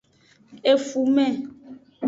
Efume.